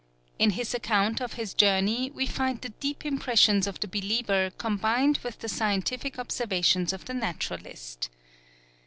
In his account of his journey we find the deep impressions of the believer combined with the scientific observations of the naturalist.